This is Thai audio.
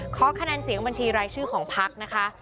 เคาะคะแนนเสียงบัญชีรายชื่อของภักดิ์นะคะ